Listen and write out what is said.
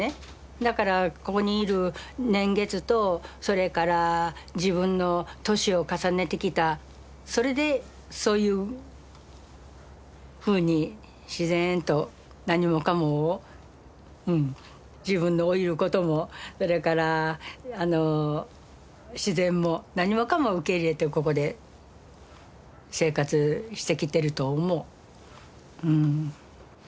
だからここにいる年月とそれから自分の年を重ねてきたそれでそういうふうに自然と何もかもを自分の老いることもそれから自然も何もかも受け入れてここで生活してきてると思う。